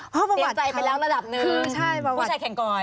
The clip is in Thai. เพราะประวัติเขาเตรียมใจไปแล้วระดับหนึ่ง